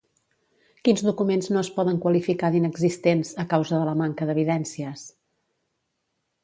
Quins documents no es poden qualificar d'inexistents a causa de la manca d'evidències?